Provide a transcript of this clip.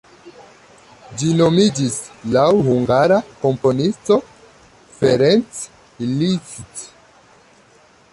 Ĝi nomiĝis laŭ Hungara komponisto, Ferenc Liszt.